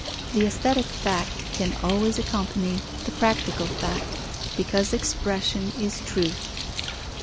The aesthetic fact can always accompany the practical fact, because expression is truth.